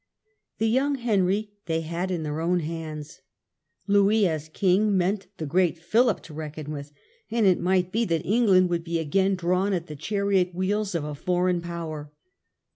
The young Henry they had in their own hands. Ix)uis as king meant the great Philip to reckon with, and it might be that England would b^ j^ain drawn at the chariot wheels of a foreign power.